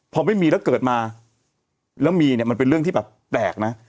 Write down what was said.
พอไม่มีแล้วเกิดมาแล้วมีเนี่ยมันเป็นเรื่องที่แบบแปลกนะ